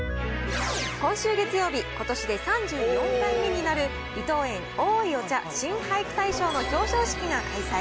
今週月曜日、ことしで３４回目になる、伊藤園おいお茶新俳句大賞の表彰式が開催。